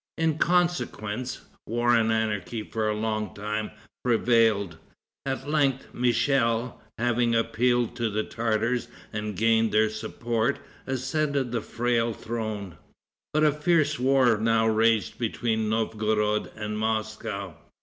In consequence, war and anarchy for a long time prevailed. At length, Michel, having appealed to the Tartars and gained their support, ascended the frail throne. But a fierce war now raged between Novgorod and Moscow.